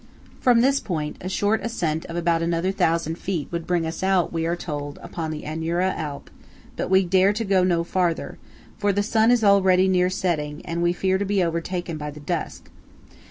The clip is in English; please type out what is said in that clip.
From this point, a short ascent of about another thousand feet would bring us out, we are told, upon the Agnerola Alp but we dare to go no farther, for the sun is already near setting, and we fear to be overtaken by the dusk.